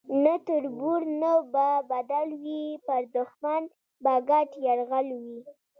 نه تربور نه به بدل وي پر دښمن به ګډ یرغل وي